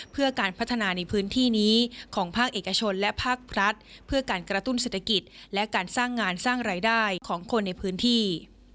เพื่อการพัฒนาในพื้นที่นี้ของภาคเอกชนและภาครัฐเพื่อการกระตุ้นเศรษฐกิจและการสร้างงานสร้างรายได้ของคนในพื้นที่